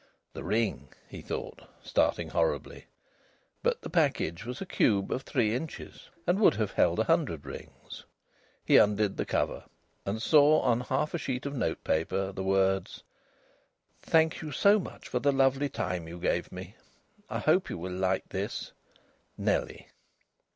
"The ring!" he thought, starting horribly. But the package was a cube of three inches, and would have held a hundred rings. He undid the cover, and saw on half a sheet of notepaper the words: "Thank you so much for the lovely time you gave me. I hope you will like this, NELLIE."